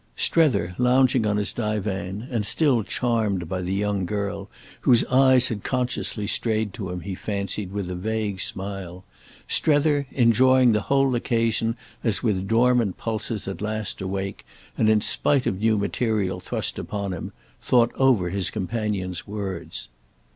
Strether, lounging on his divan and still charmed by the young girl, whose eyes had consciously strayed to him, he fancied, with a vague smile—Strether, enjoying the whole occasion as with dormant pulses at last awake and in spite of new material thrust upon him, thought over his companion's words.